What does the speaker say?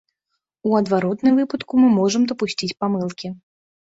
У адваротным выпадку мы можам дапусціць памылкі.